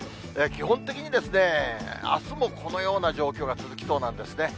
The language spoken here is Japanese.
基本的にあすもこのような状況が続きそうなんですね。